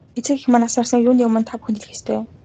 Эцэг эх маань нас барсныг юуны өмнө та бүхэнд хэлэх ёстой.